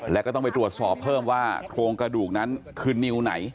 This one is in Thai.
แล้วก็ต้องไปตรวจสอบเพิ่มว่าโครงกระดูกนั้นคือนิ้วไหน